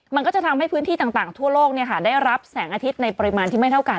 มันก็จะทำให้พื้นที่ต่างทั่วโลกได้รับแสงอาทิตย์ในปริมาณที่ไม่เท่ากัน